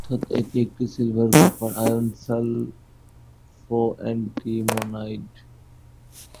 অর্থাৎ এটি একটি সিলভার-কপার-আয়রন-সালফোঅ্যান্টিমনাইড।